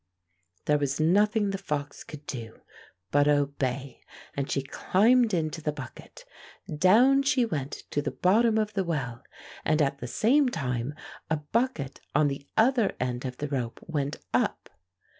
There was nothing the fox could do but obey, and she climbed into the bucket. Down she went to the bottom of the well, and at the same time a bucket on the other end of the rope went up.